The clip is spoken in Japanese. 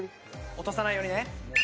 落とさないようにね。